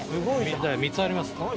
３つあります。